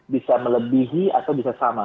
bisa melebihi atau bisa sama